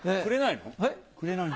くれないの？